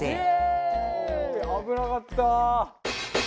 危なかった。